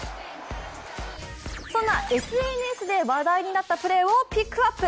そんなＳＮＳで話題になったプレーをピックアップ。